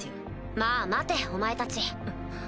まぁ待てお前たち。